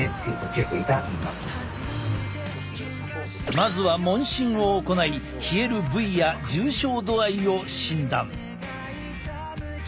まずは問診を行い冷える部位や重症度合いを診断。